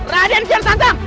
raden kian santang